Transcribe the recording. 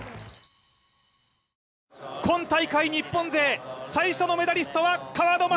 今大会日本勢最初のメダリスト川野将